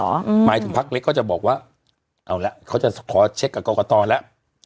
หมายถึงพักเล็กก็จะบอกว่าเอาละเขาจะขอเช็คกับกรกตแล้ว